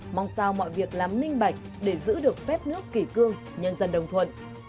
mong sao mọi việc làm minh bạch để giữ được phép nước kỷ cương nhân dân đồng thuận